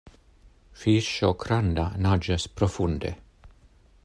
Fiŝo granda naĝas profunde.